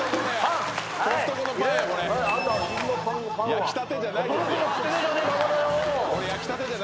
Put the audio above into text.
「焼きたてじゃないですよ」